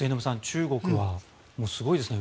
中国はすごいですね。